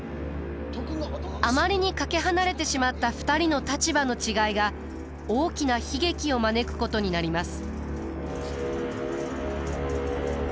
あまりにかけ離れてしまった２人の立場の違いが大きな悲劇を招くことになります。